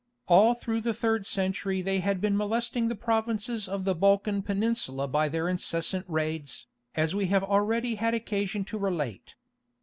All through the third century they had been molesting the provinces of the Balkan Peninsula by their incessant raids, as we have already had occasion to relate.